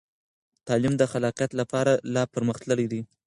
تعلیم د خلاقیت لپاره لا پرمخ تللی دی.